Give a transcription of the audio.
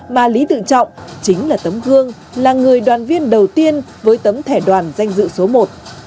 mà lý tự trọng chính là tấm gương là người đoàn viên đầu tiên với tấm thẻ đoàn danh dự số một